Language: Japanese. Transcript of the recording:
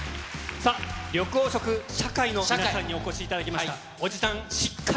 さあ、緑黄色社会の皆さんにお越しいただきました。